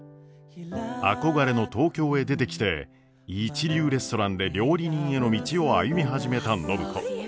憧れの東京へ出てきて一流レストランで料理人への道を歩み始めた暢子。